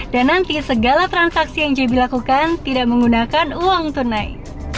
dan nanti segala transaksi yang jb lakukan tidak menggunakan uang tunai